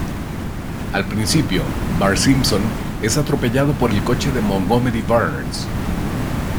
Al principio, Bart Simpson es atropellado por el coche de Montgomery Burns.